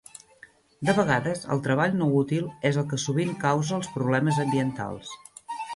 De vegades, el treball no útil és el que sovint causa els problemes ambientals.